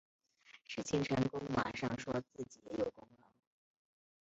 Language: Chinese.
事情成功马上说自己也有功劳